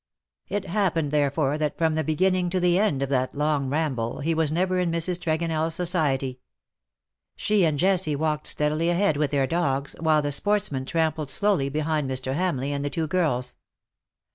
It happened, therefore, that from the beginning to the end of that long ramble, he was never in Mrs. TregonelFs society. She and Jessie walked steadily ahead with their dogs, while the sportsmen tramped slowly behind Mr. Hamleigh and the two girls.